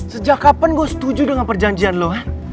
sejak kapan gue setuju dengan perjanjian lo